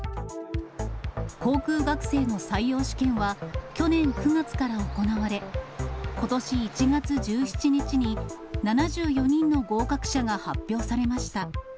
航空学生の採用試験は、去年９月から行われ、ことし１月１７日に、７４人の合格者が発表されました。